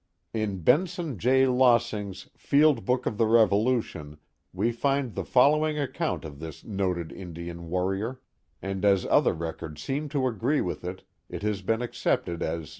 In Benson J . Lossing's Field Book of the Rri'olutioit we find the following account of this noted Indian warrior, and as other records seem to agree with it, it has been accepted as.